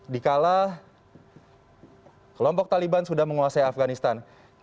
di kala kelompok taliban sudah menguasai afghanistan